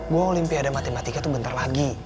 gue olimpiade matematika tuh bentar lagi